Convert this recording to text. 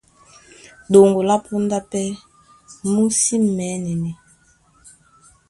Ɗoŋgo lá póndá pɛ́ mú sí mɛ̌nɛnɛ.